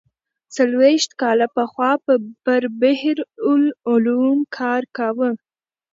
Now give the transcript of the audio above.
څلوېښت کاله پخوا پر بحر العلوم کار کاوه.